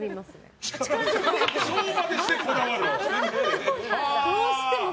そうまでしてこだわる？